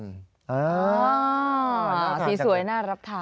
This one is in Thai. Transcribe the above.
สีสวยน่ารับทาน